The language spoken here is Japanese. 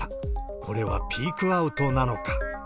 これはピークアウトなのか。